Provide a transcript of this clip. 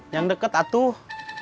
yang deket atuh